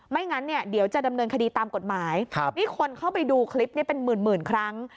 งั้นเนี่ยเดี๋ยวจะดำเนินคดีตามกฎหมายนี่คนเข้าไปดูคลิปนี้เป็นหมื่นครั้ง